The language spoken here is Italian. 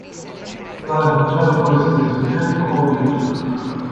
Tale funzione può essere di soggetto o di oggetto.